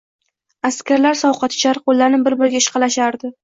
Askarlar sovqotishar, qo`llarini bir-biriga ishqashardi